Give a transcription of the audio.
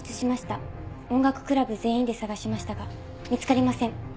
音楽クラブ全員で捜しましたが見つかりません。